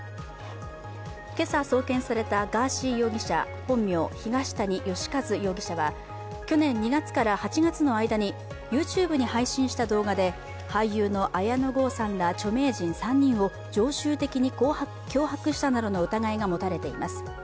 今朝送検されたガーシー容疑者、本名・東谷義和容疑者は、去年２月から８月の間にＹｏｕＴｕｂｅに配信された動画で俳優の綾野剛さんら著名人３人を常習的に脅迫したなどの疑いが持たれています。